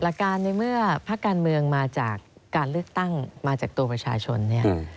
หลักการในเมื่อภาคการเมืองมาจากการเลือกตั้งมาจากตัวประชาชนเนี่ย